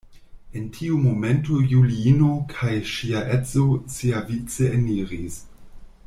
En tiu momento Juliino kaj ŝia edzo siavice eniris.